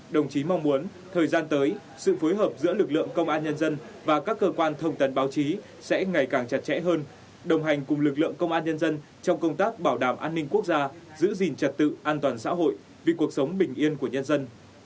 đồng chí mong muốn thời gian tới sự phối hợp giữa lực lượng công an nhân dân và các cơ quan thông tấn báo chí sẽ ngày càng chặt chẽ hơn đồng hành cùng lực lượng công an nhân dân trong công tác bảo đảm an ninh quốc gia giữ gìn trật tự an toàn xã hội vì cuộc sống bình yên của nhân dân